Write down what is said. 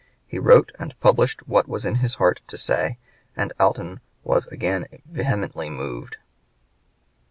He wrote and published what was in his heart to say, and Alton was again vehemently moved.